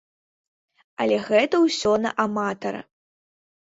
Але гэта ўсё на аматара.